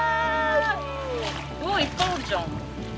おっいっぱいおるじゃん。